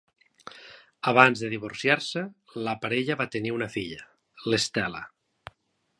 Abans de divorciar-se, la parella va tenir una filla, l'Stella.